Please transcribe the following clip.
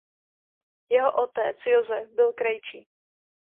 Jeho otec Josef byl krejčí.